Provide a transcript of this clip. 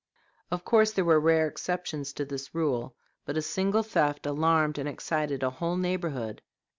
Of course there were rare exceptions to this rule, but a single theft alarmed and excited a whole neighborhood.